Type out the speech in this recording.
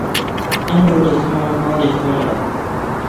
ئەمڕۆ دەچمەوە ماڵی خۆمان